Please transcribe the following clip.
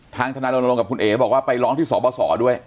ทางธนาลงกับคุณเอ๋บอกว่าไปร้องที่สอบส่อด้วย